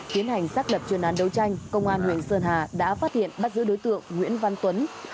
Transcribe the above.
tiến hành xác đập truyền án đấu tranh công an huyện sơn hạ đã phát hiện bắt giữ đối tượng nguyễn văn tuấn